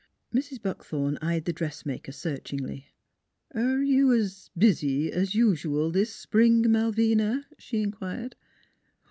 Mrs. Buckthorn eyed the dressmaker search ingly. " Are you 's busy 's usual this spring,' Mai vina ?" she inquired.